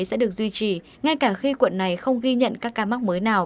sẽ được duy trì ngay cả khi quận này không ghi nhận các ca mắc mới nào